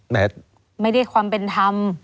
ไม่ได้ความเป็นธรรม